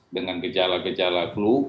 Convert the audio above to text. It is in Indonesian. dengan gejala gejala flu